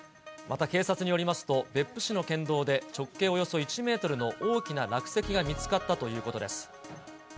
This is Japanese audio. また警察によりますと、別府市の県道で、直径およそ１メートルの大きな落石が見つかったということです。